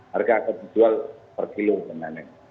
harga akan dijual per kilo sebenarnya